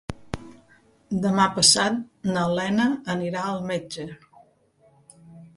Demà passat na Lena anirà al metge.